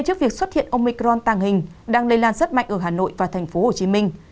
trước việc xuất hiện ông micron tàng hình đang lây lan rất mạnh ở hà nội và thành phố hồ chí minh